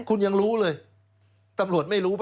คุณยังรู้เลยตำรวจไม่รู้ป่